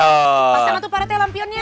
pasang atuh pak rt lampionnya